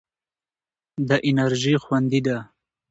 دا انرژي خوندي ده.